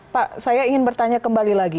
pak saya ingin bertanya kembali lagi